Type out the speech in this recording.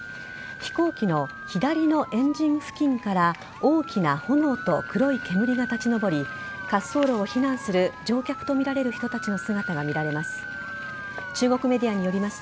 飛行機の左のエンジン付近から大きな炎と黒い煙が立ち上り滑走路を避難する乗客とみられる人たちの姿が見られます。